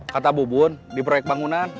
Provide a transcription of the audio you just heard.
kata bu bun di proyek bangunan